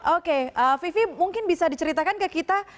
oke vivi mungkin bisa diceritakan ke kita